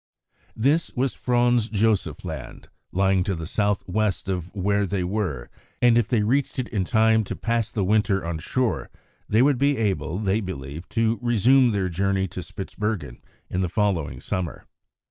This was Franz Josef Land, lying to the south west of where they were, and if they reached it in time to pass the winter on shore, they would be able, they believed, to resume their journey to Spitzbergen in the following summer.